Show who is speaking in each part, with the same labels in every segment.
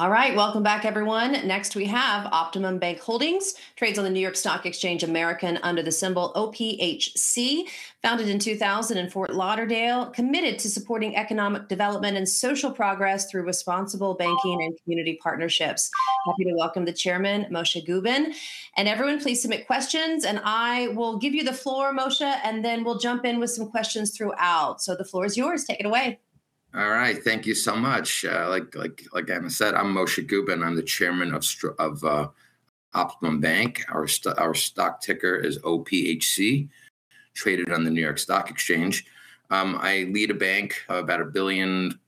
Speaker 1: All right, welcome back, everyone. Next, we have OptimumBank Holdings, trades on the NYSE American under the symbol OPHC. Founded in 2000 in Fort Lauderdale, committed to supporting economic development and social progress through responsible banking and community partnerships. Happy to welcome the Chairman, Moishe Gubin, and everyone, please submit questions, and I will give you the floor, Moishe, and then we'll jump in with some questions throughout. So the floor is yours. Take it away.
Speaker 2: All right, thank you so much. Like Anna said, I'm Moishe Gubin. I'm the chairman of OptimumBank. Our stock ticker is OPHC, traded on the NYSE American. I lead a bank of about a billion,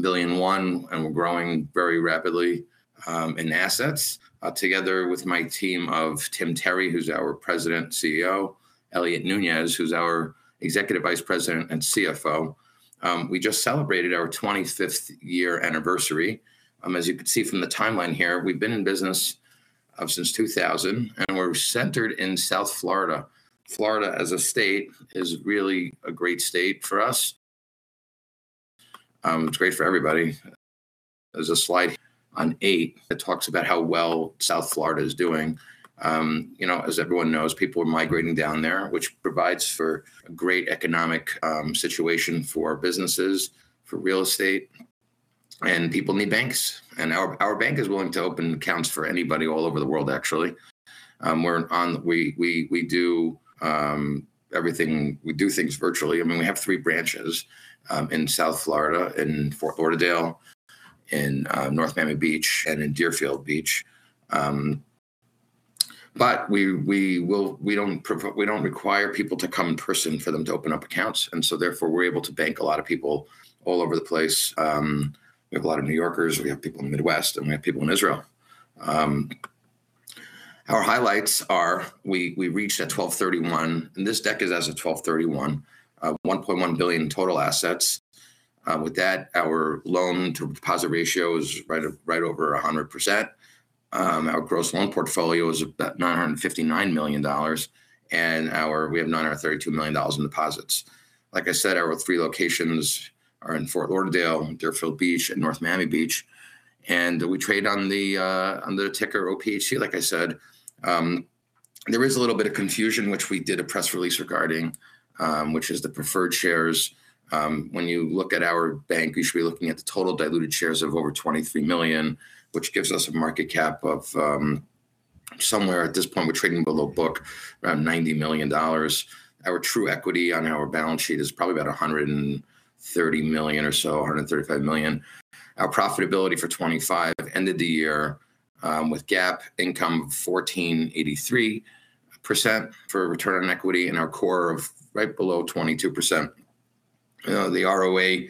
Speaker 2: billion one, and we're growing very rapidly in assets. Together with my team of Tim Terry, who's our President and CEO, Elliot Nunez, who's our Executive Vice President and CFO, we just celebrated our 25th year anniversary. As you can see from the timeline here, we've been in business since 2000, and we're centered in South Florida. Florida, as a state, is really a great state for us. It's great for everybody. There's a slide on eight that talks about how well South Florida is doing. As everyone knows, people are migrating down there, which provides for a great economic situation for businesses, for real estate, and people need banks. Our bank is willing to open accounts for anybody all over the world, actually. We do everything. We do things virtually. I mean, we have three branches in South Florida, in Fort Lauderdale, in North Miami Beach, and in Deerfield Beach. We don't require people to come in person for them to open up accounts. So therefore, we're able to bank a lot of people all over the place. We have a lot of New Yorkers, we have people in the Midwest, and we have people in Israel. Our highlights are we reached at December 31, 2023, and this deck is as of December 31, 2023, $1.1 billion total assets. With that, our loan-to-deposit ratio is right over 100%. Our gross loan portfolio is about $959 million, and we have $932 million in deposits. Like I said, our three locations are in Fort Lauderdale, Deerfield Beach, and North Miami Beach. And we trade on the ticker OPHC, like I said. There is a little bit of confusion, which we did a press release regarding, which is the preferred shares. When you look at our bank, you should be looking at the total diluted shares of over 23 million, which gives us a market cap of somewhere at this point, we're trading below book, around $90 million. Our true equity on our balance sheet is probably about $130 million or so, $135 million. Our profitability for 2025 ended the year with GAAP income of 14.83% for return on equity, and our core of right below 22%. The ROAE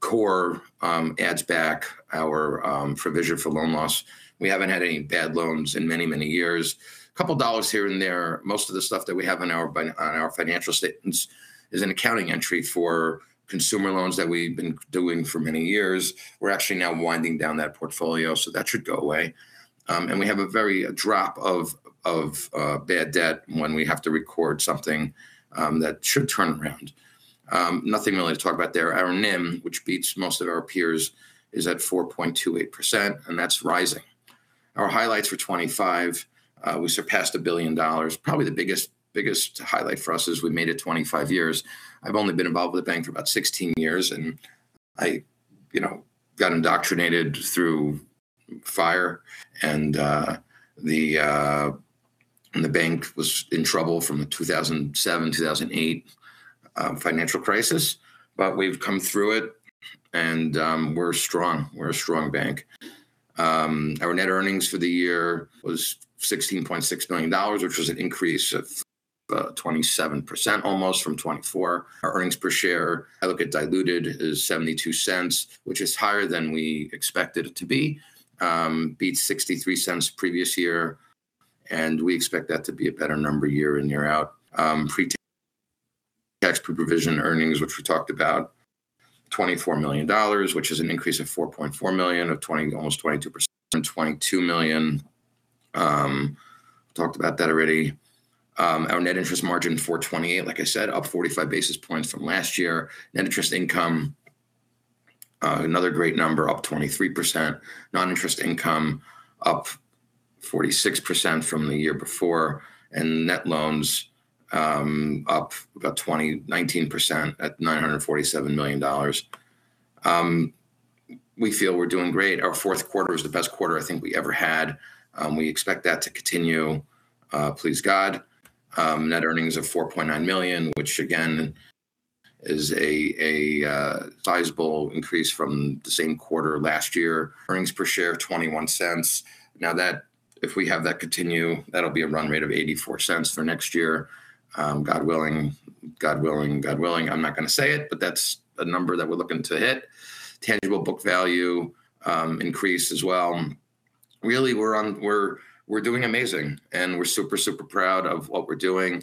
Speaker 2: core adds back our provision for loan loss. We haven't had any bad loans in many, many years. A couple of dollars here and there. Most of the stuff that we have on our financial statements is an accounting entry for consumer loans that we've been doing for many years. We're actually now winding down that portfolio, so that should go away, and we have a very drop of bad debt when we have to record something that should turn around. Nothing really to talk about there. Our NIM, which beats most of our peers, is at 4.28%, and that's rising. Our highlights for 2025, we surpassed $1 billion. Probably the biggest highlight for us is we made it 25 years. I've only been involved with the bank for about 16 years, and I got indoctrinated through fire, and the bank was in trouble from the 2007, 2008 financial crisis. But we've come through it, and we're strong. We're a strong bank. Our net earnings for the year was $16.6 million, which was an increase of about 27% almost from 2024. Our earnings per share, I look at diluted, is $0.72, which is higher than we expected it to be. Beat $0.63 previous year, and we expect that to be a better number year in, year out. Pre-tax, pre-provision earnings, which we talked about, $24 million, which is an increase of $4.4 million of almost 22%. $122 million. Talked about that already. Our net interest margin for 2026, like I said, up 45 basis points from last year. Net interest income, another great number, up 23%. Non-interest income up 46% from the year before. Net loans up about 19% at $947 million. We feel we're doing great. Our Q4 is the best quarter I think we ever had. We expect that to continue, please God. Net earnings of $4.9 million, which again is a sizable increase from the same quarter last year. Earnings per share of $0.21. Now that, if we have that continue, that'll be a run rate of $0.84 for next year. God willing, God willing, God willing. I'm not going to say it, but that's a number that we're looking to hit. Tangible book value increase as well. Really, we're doing amazing, and we're super, super proud of what we're doing.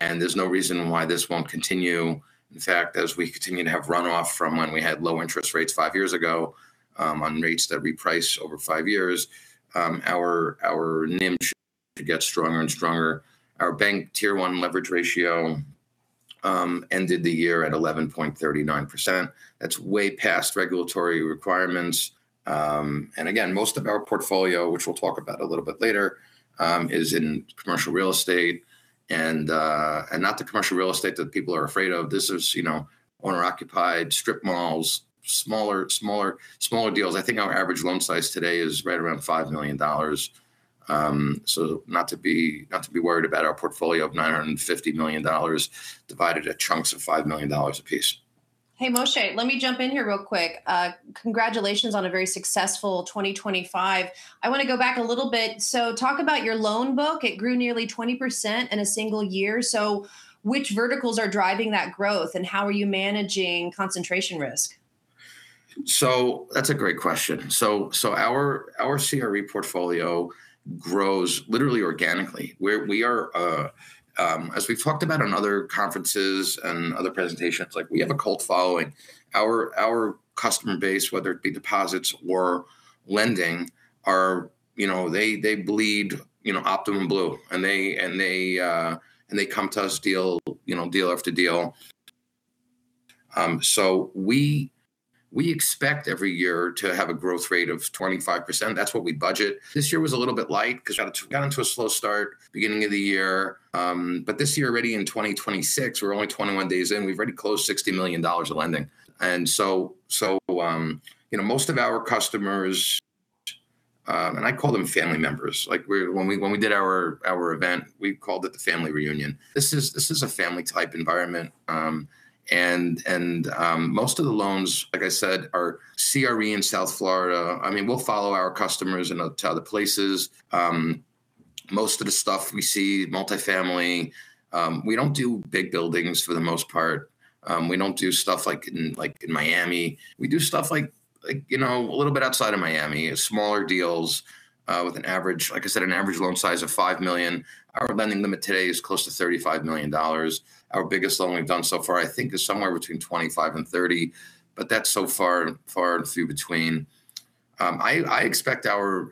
Speaker 2: And there's no reason why this won't continue. In fact, as we continue to have runoff from when we had low interest rates five years ago on rates that repriced over five years, our NIM should get stronger and stronger. Our bank's Tier 1 leverage ratio ended the year at 11.39%. That's way past regulatory requirements. Again, most of our portfolio, which we'll talk about a little bit later, is in commercial real estate. Not the commercial real estate that people are afraid of. This is owner-occupied strip malls, smaller deals. I think our average loan size today is right around $5 million. Not to be worried about our portfolio of $950 million divided into chunks of $5 million apiece.
Speaker 1: Hey, Moishe, let me jump in here real quick. Congratulations on a very successful 2025. I want to go back a little bit. So talk about your loan book. It grew nearly 20% in a single year. So which verticals are driving that growth, and how are you managing concentration risk?
Speaker 2: So that's a great question. Our CRE portfolio grows literally organically. As we've talked about in other conferences and other presentations, we have a cult following. Our customer base, whether it be deposits or lending, they bleed OptimumBank, and they come to us deal after deal. We expect every year to have a growth rate of 25%. That's what we budget. This year was a little bit light because we got into a slow start beginning of the year. This year already in 2026, we're only 21 days in. We've already closed $60 million of lending. Most of our customers, and I call them family members. When we did our event, we called it the family reunion. This is a family-type environment. Most of the loans, like I said, are CRE in South Florida. We'll follow our customers into other places. Most of the stuff we see, multifamily, we don't do big buildings for the most part. We don't do stuff like in Miami. We do stuff like a little bit outside of Miami, smaller deals with an average, like I said, an average loan size of $5 million. Our lending limit today is close to $35 million. Our biggest loan we've done so far, I think, is somewhere between $25 million and $30 million, but that's few and far between. I expect the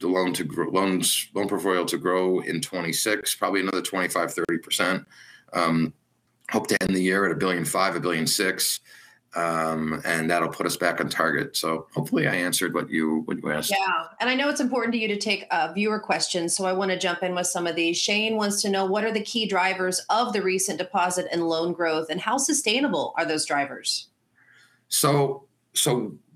Speaker 2: loan portfolio to grow in 2026, probably another 25%-30%. I hope to end the year at $1.5 billion-$1.6 billion, and that'll put us back on target, so hopefully I answered what you asked.
Speaker 1: And I know it's important to you to take viewer questions, so I want to jump in with some of these. Shane wants to know, what are the key drivers of the recent deposit and loan growth, and how sustainable are those drivers?
Speaker 2: So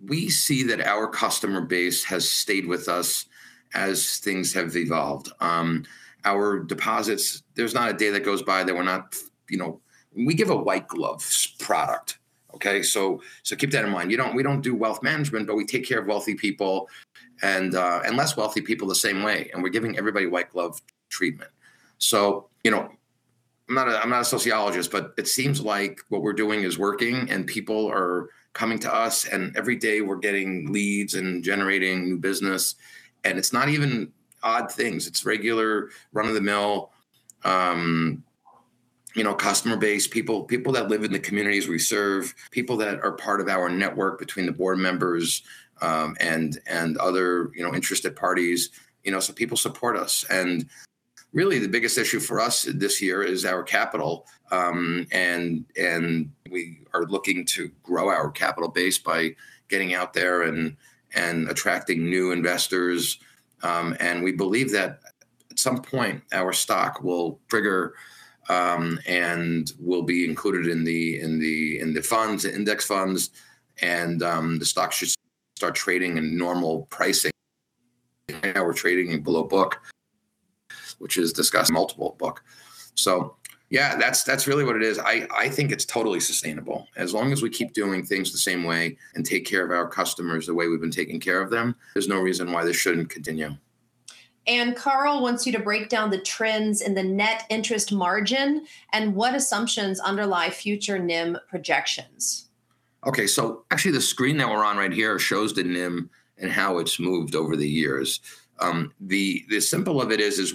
Speaker 2: we see that our customer base has stayed with us as things have evolved. Our deposits, there's not a day that goes by that we're not, we give a white glove product. So keep that in mind. We don't do wealth management, but we take care of wealthy people and less wealthy people the same way. And we're giving everybody white glove treatment. So I'm not a sociologist, but it seems like what we're doing is working, and people are coming to us, and every day we're getting leads and generating new business. And it's not even odd things. It's regular, run-of-the-mill customer base, people that live in the communities we serve, people that are part of our network between the board members and other interested parties. So people support us. And really, the biggest issue for us this year is our capital. We are looking to grow our capital base by getting out there and attracting new investors. We believe that at some point, our stock will trigger and will be included in the funds, index funds, and the stock should start trading in normal pricing. Now we're trading below book, which is discounted multiple book. That's really what it is. I think it's totally sustainable. As long as we keep doing things the same way and take care of our customers the way we've been taking care of them, there's no reason why this shouldn't continue.
Speaker 1: Carl wants you to break down the trends in the net interest margin and what assumptions underlie future NIM projections.
Speaker 2: Okay. So actually, the screen that we're on right here shows the NIM and how it's moved over the years. The simple of it is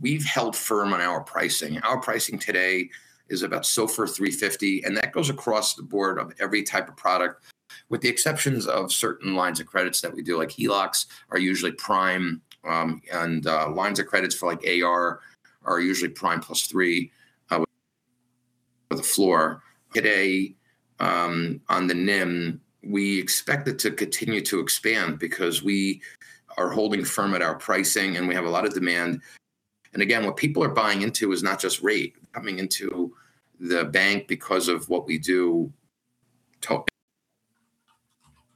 Speaker 2: we've held firm on our pricing. Our pricing today is about SOFR 350, and that goes across the board of every type of product. With the exceptions of certain lines of credit that we do, like HELOCs are usually prime, and lines of credit for like AR are usually prime plus three with the floor. Today on the NIM, we expect it to continue to expand because we are holding firm at our pricing, and we have a lot of demand. And again, what people are buying into is not just rate. Coming into the bank because of what we do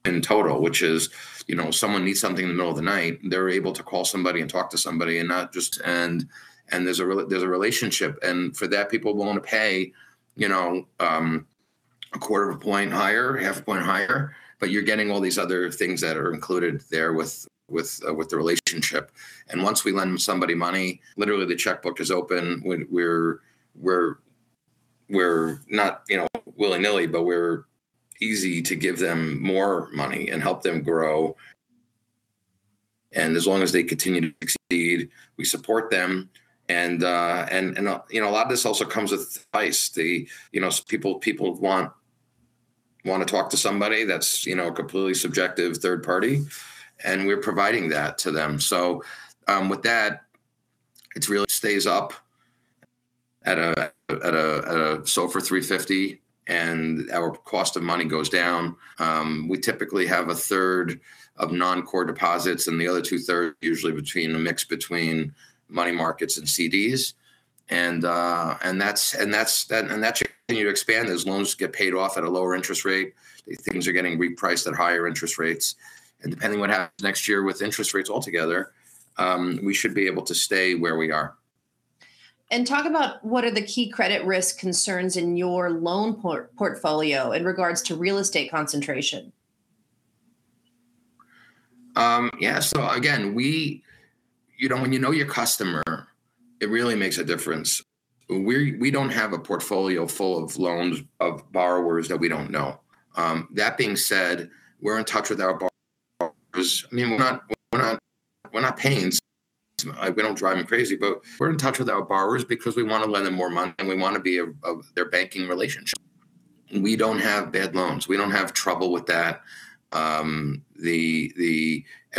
Speaker 2: in total, which is someone needs something in the middle of the night, they're able to call somebody and talk to somebody and not just, and there's a relationship, and for that, people want to pay a quarter of a point higher, half a point higher, but you're getting all these other things that are included there with the relationship, and once we lend somebody money, literally the checkbook is open. We're not willy-nilly, but we're easy to give them more money and help them grow, and as long as they continue to succeed, we support them, and a lot of this also comes with advice. People want to talk to somebody that's a completely objective third party, and we're providing that to them. So with that, it really stays up at a SOFR 350, and our cost of money goes down. We typically have a third of non-core deposits, and the other two-thirds usually a mix between money markets and CDs. And that should continue to expand. Those loans get paid off at a lower interest rate. Things are getting repriced at higher interest rates. And depending on what happens next year with interest rates altogether, we should be able to stay where we are.
Speaker 1: Talk about what are the key credit risk concerns in your loan portfolio in regards to real estate concentration?
Speaker 2: So again, when you know your customer, it really makes a difference. We don't have a portfolio full of loans of borrowers that we don't know. That being said, we're in touch with our borrowers. I mean, we're not paying them. We don't drive them crazy, but we're in touch with our borrowers because we want to lend them more money, and we want to be of their banking relationship. We don't have bad loans. We don't have trouble with that. And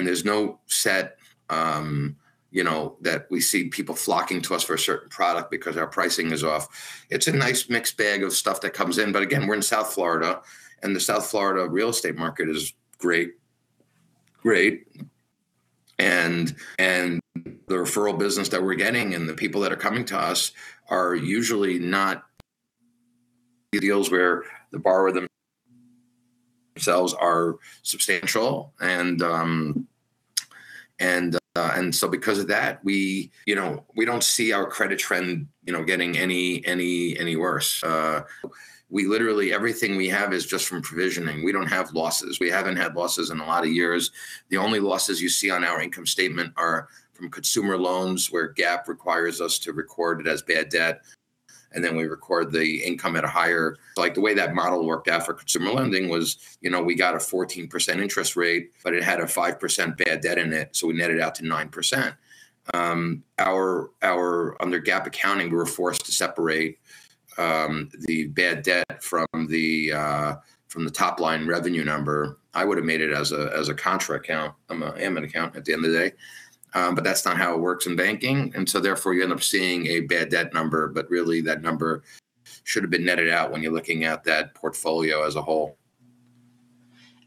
Speaker 2: there's no set that we see people flocking to us for a certain product because our pricing is off. It's a nice mixed bag of stuff that comes in. But again, we're in South Florida, and the South Florida real estate market is great. Great. And the referral business that we're getting and the people that are coming to us are usually not deals where the borrower themselves are substantial. And so because of that, we don't see our credit trend getting any worse. Everything we have is just from provisioning. We don't have losses. We haven't had losses in a lot of years. The only losses you see on our income statement are from consumer loans where GAAP requires us to record it as bad debt. And then we record the income at a higher. The way that model worked out for consumer lending was we got a 14% interest rate, but it had a 5% bad debt in it, so we netted out to 9%. Under GAAP accounting, we were forced to separate the bad debt from the top line revenue number. I would have made it as a contra account. I'm an accountant at the end of the day, but that's not how it works in banking. And so therefore, you end up seeing a bad debt number, but really that number should have been netted out when you're looking at that portfolio as a whole.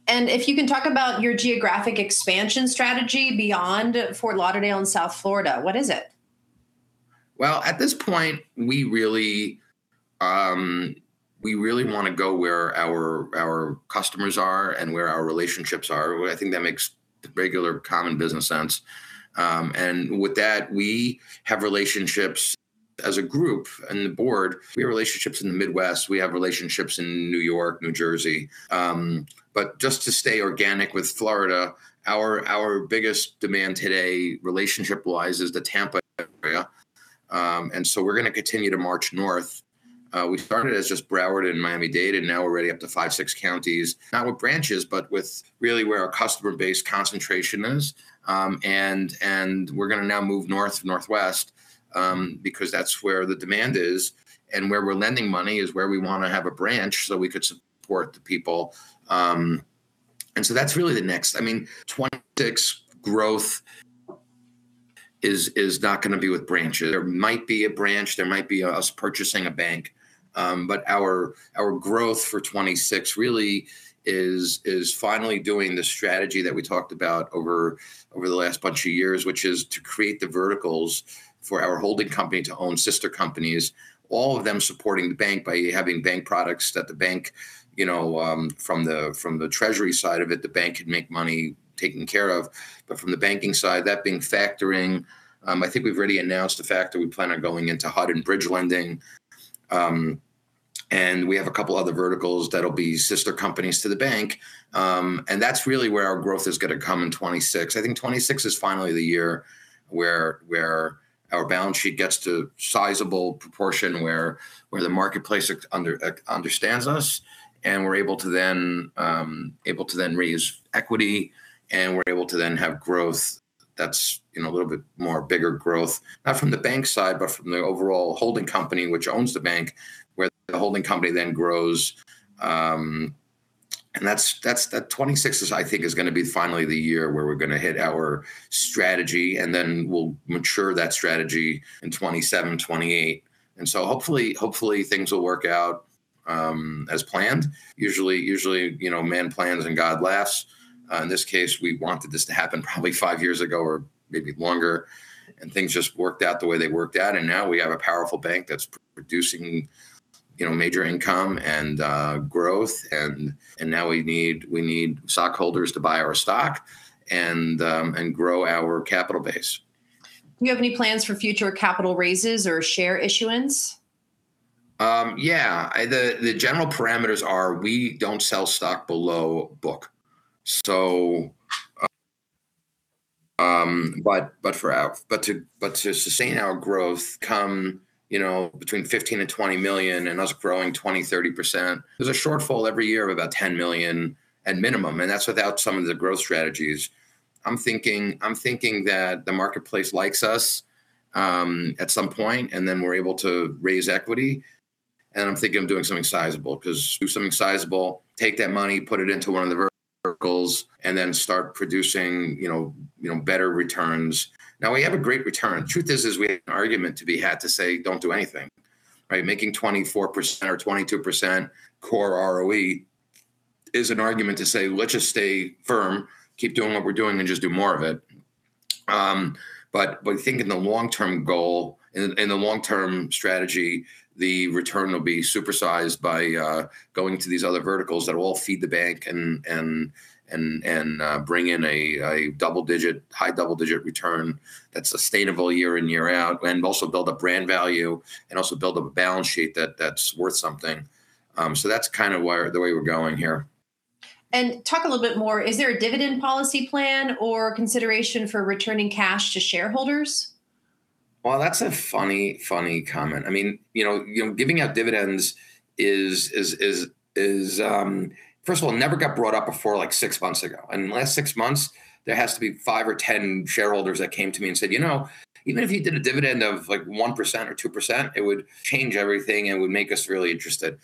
Speaker 1: If you can talk about your geographic expansion strategy beyond Fort Lauderdale in South Florida, what is it?
Speaker 2: At this point, we really want to go where our customers are and where our relationships are. I think that makes regular common business sense, and with that, we have relationships as a group and the board. We have relationships in the Midwest. We have relationships in New York, New Jersey, but just to stay organic with Florida, our biggest demand today relationship-wise is the Tampa area, and so we're going to continue to march north. We started as just Broward and Miami-Dade, and now we're ready up to five, six counties. Not with branches, but with really where our customer base concentration is, and we're going to now move north, northwest because that's where the demand is, and where we're lending money is where we want to have a branch so we could support the people, and so that's really the next. I mean, 2026 growth is not going to be with branches. There might be a branch. There might be us purchasing a bank. But our growth for 2026 really is finally doing the strategy that we talked about over the last bunch of years, which is to create the verticals for our holding company to own sister companies, all of them supporting the bank by having bank products that the bank, from the treasury side of it, the bank can make money taking care of. But from the banking side, that being factoring, I think we've already announced the fact that we plan on going into HUD and bridge lending. And we have a couple of other verticals that'll be sister companies to the bank. And that's really where our growth is going to come in 2026. I think 2026 is finally the year where our balance sheet gets to sizable proportion where the marketplace understands us, and we're able to then raise equity, and we're able to then have growth that's a little bit more bigger growth, not from the bank side, but from the overall holding company which owns the bank, where the holding company then grows. And that 2026, I think, is going to be finally the year where we're going to hit our strategy, and then we'll mature that strategy in 2027, 2028. And so hopefully things will work out as planned. Usually, man plans and God laughs. In this case, we wanted this to happen probably five years ago or maybe longer, and things just worked out the way they worked out. And now we have a powerful bank that's producing major income and growth. Now we need stockholders to buy our stock and grow our capital base.
Speaker 1: Do you have any plans for future capital raises or share issuance?
Speaker 2: The general parameters are we don't sell stock below book. But to sustain our growth, come between $15-20 million and us growing 20-30%, there's a shortfall every year of about $10 million at minimum. And that's without some of the growth strategies. I'm thinking that the marketplace likes us at some point, and then we're able to raise equity. And I'm thinking of doing something sizable because do something sizable, take that money, put it into one of the verticals, and then start producing better returns. Now, we have a great return. Truth is, we have an argument to be had to say, don't do anything. Making 24% or 22% core ROE is an argument to say, let's just stay firm, keep doing what we're doing, and just do more of it. But I think in the long-term goal, in the long-term strategy, the return will be supersized by going to these other verticals that will all feed the bank and bring in a high double-digit return that's sustainable year in, year out, and also build up brand value and also build up a balance sheet that's worth something. So that's the way we're going here.
Speaker 1: Talk a little bit more. Is there a dividend policy plan or consideration for returning cash to shareholders?
Speaker 2: That's a funny, funny comment. I mean, giving out dividends is, first of all, never got brought up before like six months ago. In the last six months, there has to be five or 10 shareholders that came to me and said, you know, even if you did a dividend of like 1% or 2%, it would change everything and would make us really interested.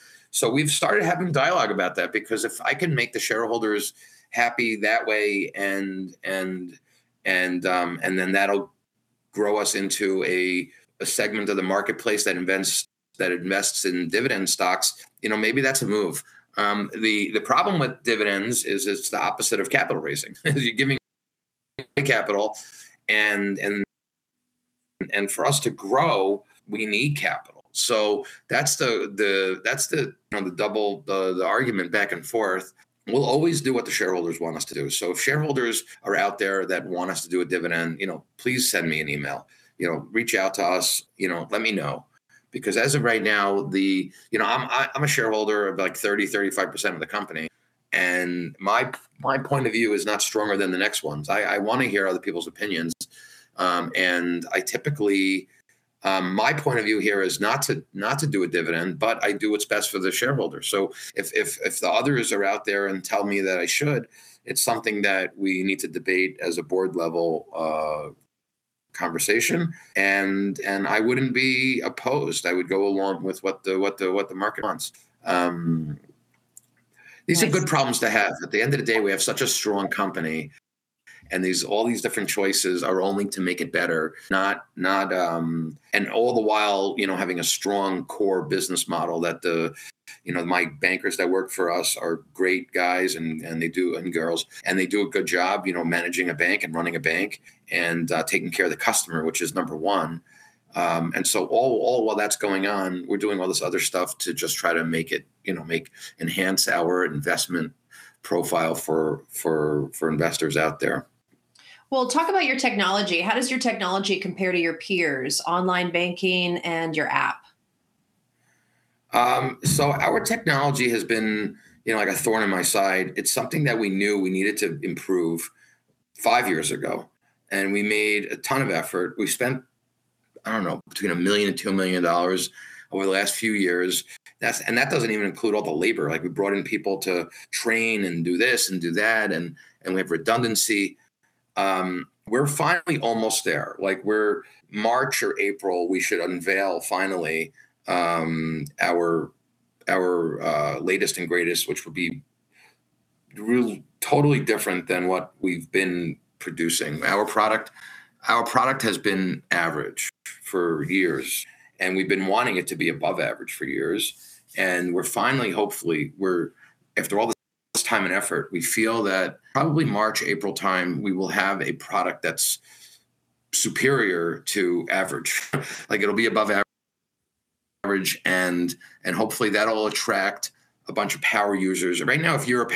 Speaker 2: We've started having dialogue about that because if I can make the shareholders happy that way, and then that'll grow us into a segment of the marketplace that invests in dividend stocks, maybe that's a move. The problem with dividends is it's the opposite of capital raising. You're giving capital, and for us to grow, we need capital. That's the argument back and forth. We'll always do what the shareholders want us to do. So if shareholders are out there that want us to do a dividend, please send me an email. Reach out to us. Let me know. Because as of right now, I'm a shareholder of like 30-35% of the company. And my point of view is not stronger than the next one's. I want to hear other people's opinions. And my point of view here is not to do a dividend, but I do what's best for the shareholders. So if the others are out there and tell me that I should, it's something that we need to debate as a board-level conversation. And I wouldn't be opposed. I would go along with what the market wants. These are good problems to have. At the end of the day, we have such a strong company, and all these different choices are only to make it better. And all the while having a strong core business model that my bankers that work for us are great guys, and they do, and girls, and they do a good job managing a bank and running a bank and taking care of the customer, which is number one. And so all while that's going on, we're doing all this other stuff to just try to enhance our investment profile for investors out there.
Speaker 1: Talk about your technology. How does your technology compare to your peers, online banking and your app?
Speaker 2: So our technology has been like a thorn in my side. It's something that we knew we needed to improve five years ago. And we made a ton of effort. We spent, I don't know, between $1 million and $2 million over the last few years. And that doesn't even include all the labor. We brought in people to train and do this and do that, and we have redundancy. We're finally almost there. Like March or April, we should unveil finally our latest and greatest, which would be totally different than what we've been producing. Our product has been average for years, and we've been wanting it to be above average for years. And we're finally, hopefully, after all this time and effort, we feel that probably March, April time, we will have a product that's superior to average. It'll be above average. Hopefully, that'll attract a bunch of power users. Right now, if you're a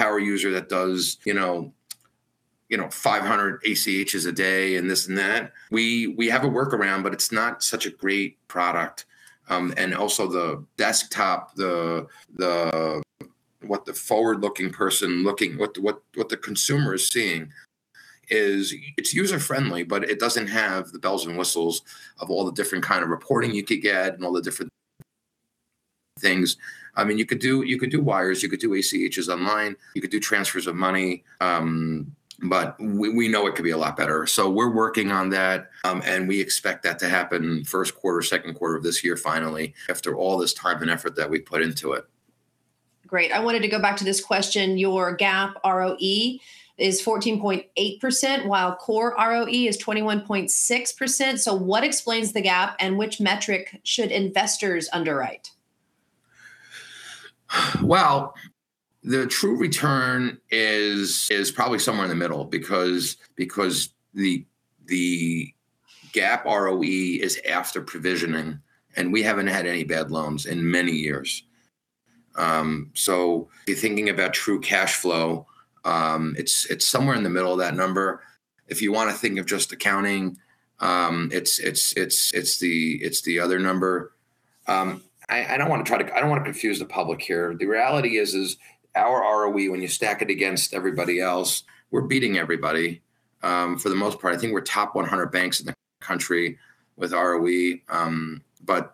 Speaker 2: power user that does 500 ACHs a day and this and that, we have a workaround, but it's not such a great product. Also the desktop, what the forward-looking person, what the consumer is seeing is it's user-friendly, but it doesn't have the bells and whistles of all the different kinds of reporting you could get and all the different things. I mean, you could do wires, you could do ACHs online, you could do transfers of money, but we know it could be a lot better. We're working on that, and we expect that to happen Q1, Q2 of this year finally after all this time and effort that we've put into it.
Speaker 1: Great. I wanted to go back to this question. Your GAAP ROE is 14.8%, while core ROE is 21.6%. So what explains the gap, and which metric should investors underwrite?
Speaker 2: The true return is probably somewhere in the middle because the GAAP ROE is after provisioning, and we haven't had any bad loans in many years. Thinking about true cash flow, it's somewhere in the middle of that number. If you want to think of just accounting, it's the other number. I don't want to try to, I don't want to confuse the public here. The reality is, our ROE, when you stack it against everybody else, we're beating everybody for the most part. I think we're top 100 banks in the country with ROE. The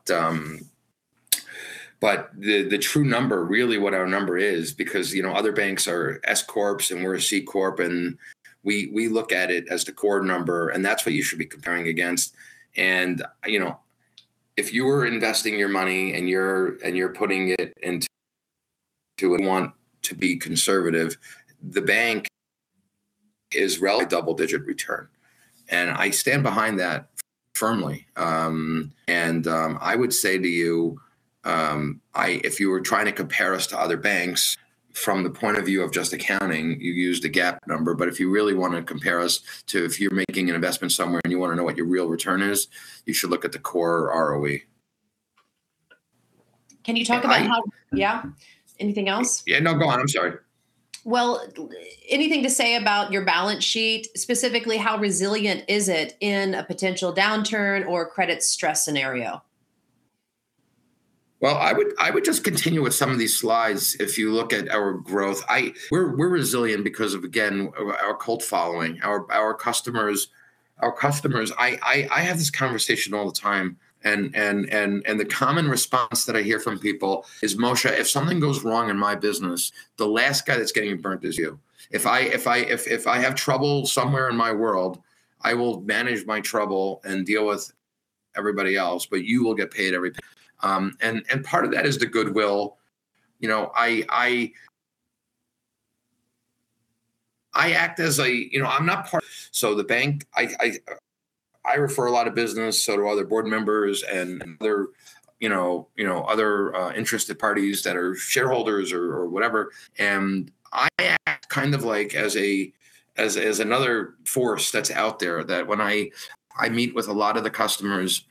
Speaker 2: true number, really what our number is, because other banks are S corps and we're a C corp, and we look at it as the core number, and that's what you should be comparing against. If you're investing your money and you're putting it into. We want to be conservative. The bank is double-digit return. And I stand behind that firmly. And I would say to you, if you were trying to compare us to other banks from the point of view of just accounting, you use the GAAP number. But if you really want to compare us to, if you're making an investment somewhere and you want to know what your real return is, you should look at the core ROE.
Speaker 1: Can you talk about how? Anything else?
Speaker 2: No, go on. I'm sorry.
Speaker 1: Anything to say about your balance sheet, specifically how resilient is it in a potential downturn or credit stress scenario?
Speaker 2: I would just continue with some of these slides. If you look at our growth, we're resilient because of, again, our cult following. Our customers, I have this conversation all the time. And the common response that I hear from people is, "Moishe, if something goes wrong in my business, the last guy that's getting burnt is you. If I have trouble somewhere in my world, I will manage my trouble and deal with everybody else, but you will get paid every pay." And part of that is the goodwill. I act as a, I'm not. So the bank, I refer a lot of business to other board members and other interested parties that are shareholders or whatever. I act like as another force that's out there that when I meet with a lot of the customers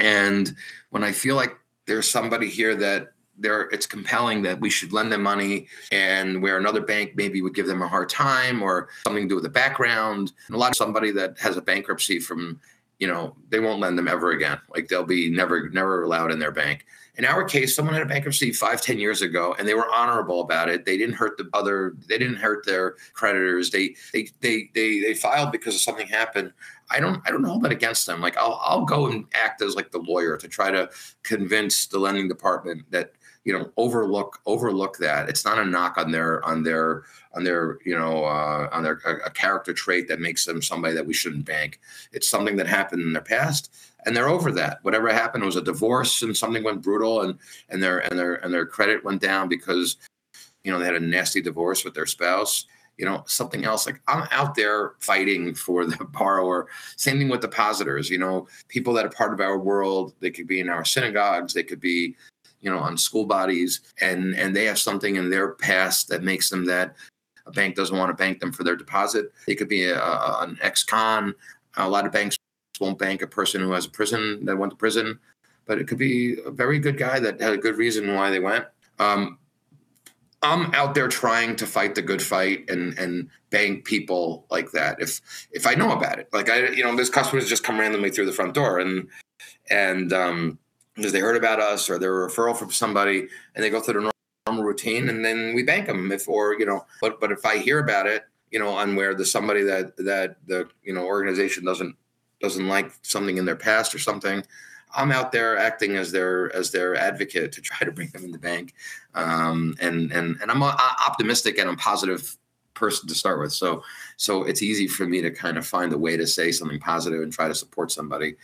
Speaker 2: and when I feel like there's somebody here that it's compelling that we should lend them money and where another bank maybe would give them a hard time or something to do with the background. Somebody that has a bankruptcy from, they won't lend them ever again. They'll be never allowed in their bank. In our case, someone had a bankruptcy five, ten years ago, and they were honorable about it. They didn't hurt their creditors. They filed because something happened. I don't hold that against them. I'll go and act as the lawyer to try to convince the lending department that overlook that. It's not a knock on their character trait that makes them somebody that we shouldn't bank. It's something that happened in their past, and they're over that. Whatever happened was a divorce and things went brutal and their credit went down because they had a nasty divorce with their spouse. Something else, like I'm out there fighting for the borrower. Same thing with depositors. People that are part of our world, they could be in our synagogues, they could be on school bodies, and they have something in their past that makes it so that a bank doesn't want to bank them for their deposit. It could be an ex-con. A lot of banks won't bank a person who went to prison, but it could be a very good guy that had a good reason why they went. I'm out there trying to fight the good fight and bank people like that if I know about it. Like this customer has just come randomly through the front door and because they heard about us or their referral from somebody and they go through the normal routine and then we bank them. But if I hear about it on where there's somebody that the organization doesn't like something in their past or something, I'm out there acting as their advocate to try to bring them in the bank. And I'm optimistic and I'm a positive person to start with. So it's easy for me to find a way to say something positive and try to support somebody.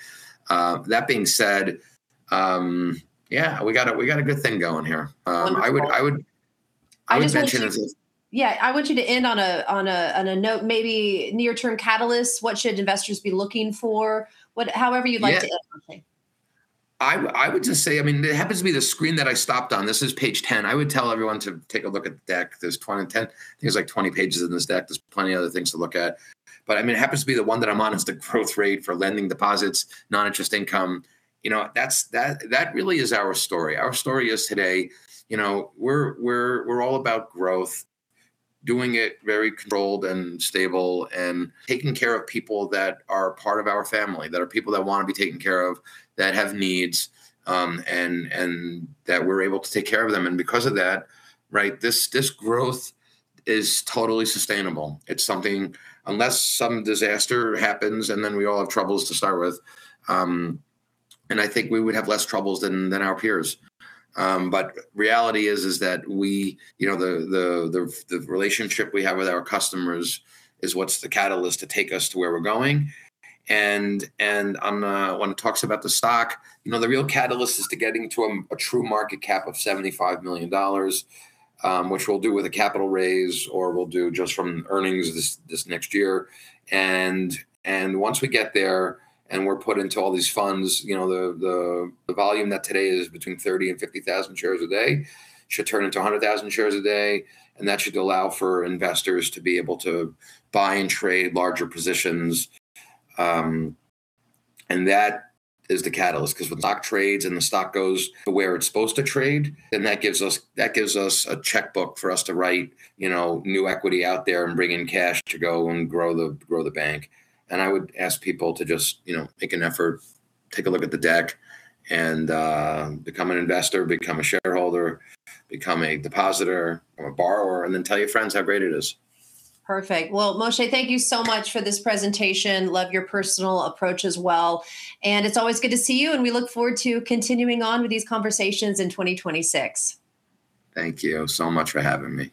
Speaker 2: That being said we got a good thing going here. I would mention as a.
Speaker 1: I want you to end on a note, maybe near-term catalysts. What should investors be looking for? However you'd like to end.
Speaker 2: I would just say, I mean, it happens to be the screen that I stopped on. This is page 10. I would tell everyone to take a look at the deck. There's 20 pages in this deck. There's plenty of other things to look at. But I mean, it happens to be the one that I'm on is the growth rate for lending deposits, non-interest income. That really is our story. Our story is today, we're all about growth, doing it very controlled and stable and taking care of people that are part of our family, that are people that want to be taken care of, that have needs, and that we're able to take care of them. And because of that, this growth is totally sustainable. It's something unless some disaster happens and then we all have troubles to start with. I think we would have less troubles than our peers. The reality is that the relationship we have with our customers is what's the catalyst to take us to where we're going. When it talks about the stock, the real catalyst is to get into a true market cap of $75 million, which we'll do with a capital raise or we'll do just from earnings this next year. Once we get there and we're put into all these funds, the volume that today is between 30 and 50,000 shares a day should turn into 100,000 shares a day, and that should allow for investors to be able to buy and trade larger positions. That is the catalyst because when the stock trades and the stock goes to where it's supposed to trade, then that gives us a checkbook for us to write new equity out there and bring in cash to go and grow the bank. I would ask people to just make an effort, take a look at the deck and become an investor, become a shareholder, become a depositor or a borrower, and then tell your friends how great it is.
Speaker 1: Perfect. Moishe, thank you so much for this presentation. Love your personal approach as well. It's always good to see you, and we look forward to continuing on with these conversations in 2026.
Speaker 2: Thank you so much for having me.